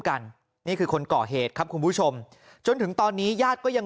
กันนี่คือคนก่อเหตุครับคุณผู้ชมจนถึงตอนนี้ญาติก็ยัง